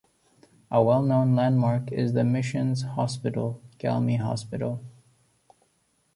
A well-known landmark is the missions hospital, Galmi Hospital.